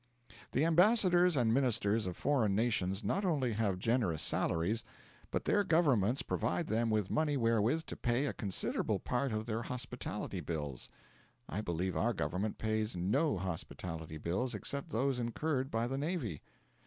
The ambassadors and ministers of foreign nations not only have generous salaries, but their Governments provide them with money wherewith to pay a considerable part of their hospitality bills. I believe our Government pays no hospitality bills except those incurred by the navy.